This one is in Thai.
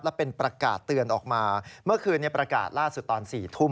และเป็นประกาศเตือนออกมาเมื่อคืนประกาศล่าสุดตอน๔ทุ่ม